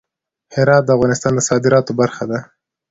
هرات د افغانستان د صادراتو برخه ده.